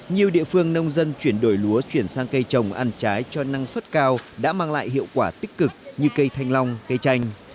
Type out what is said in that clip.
nhiều địa phương nông dân chuyển đổi lúa chuyển sang cây trồng ăn trái cho năng suất cao đã mang lại hiệu quả tích cực như cây thanh long cây chanh